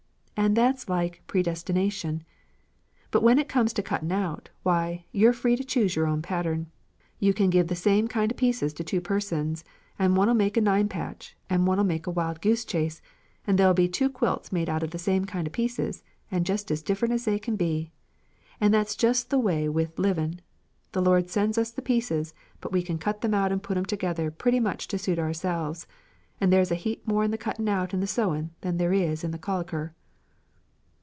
And that's like predestination. But when it comes to the cuttin' out, why, you're free to choose your own pattern. You can give the same kind o' pieces to two persons, and one'll make a 'nine patch' and one'll make a 'wild goose chase,' and there'll be two quilts made out of the same kind of pieces, and jest as different as they can be. And that is jest the way with livin'. The Lord sends us the pieces, but we can cut them out and put 'em together pretty much to suit ourselves, and there's a heap more in the cuttin' out and the sewin' than there is in the caliker."